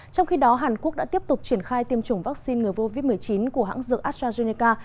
trong khi đó hàn quốc đã tiếp tục triển khai tiêm chủng vaccine ngừa covid một mươi chín của hãng dược astrazeneca